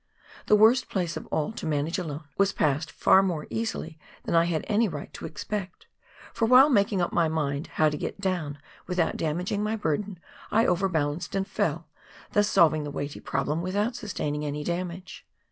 The worst place of all, to manage alone, was passed far more easily than I had any right to expect, for while making up my mind how to get down with out damaging my burden, I overbalanced and fell, thus solving the weighty problem without sustaining any damage.